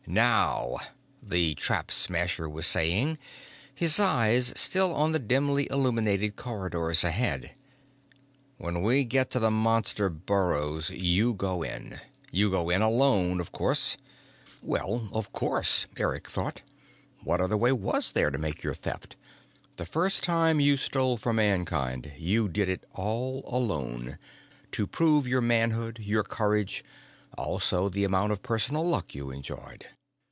"Now," the Trap Smasher was saying, his eyes still on the dimly illuminated corridors ahead. "When we get to the Monster burrows, you go in. You go in alone, of course." Well, of course, Eric thought. What other way was there to make your Theft? The first time you stole for Mankind, you did it all alone, to prove your manhood, your courage, also the amount of personal luck you enjoyed.